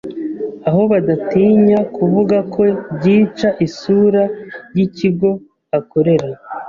aho badatinya kuvuga ko byica isura y’ikigo akorera.